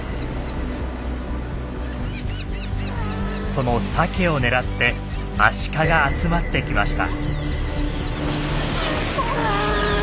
そのサケを狙ってアシカが集まってきました。